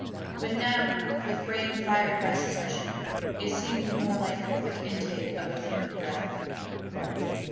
But now, with brain fired by suspicion, it seemed more like the quick intake of a human breath.